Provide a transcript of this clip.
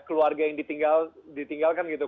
keluarga yang ditinggalkan gitu